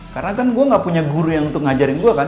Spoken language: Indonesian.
karena kan gue gak punya guru yang ngajarin gue kan